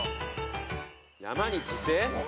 「山に自生」？